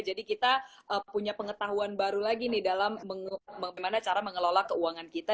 jadi kita punya pengetahuan baru lagi nih dalam bagaimana cara mengelola keuangan kita